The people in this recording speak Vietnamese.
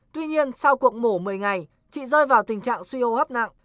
tuy nhiên sau cuộng mổ một mươi ngày chị rơi vào tình trạng suy hô hấp nặng